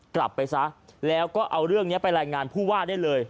กลับไปซะแล้วก็เอาเรื่องนี้ไปรายงานผู้ว่าได้เลย